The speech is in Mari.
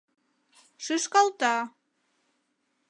шӱшкалта.